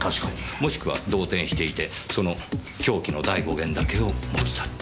もしくは動転していてその凶器の第５弦だけを持ち去った。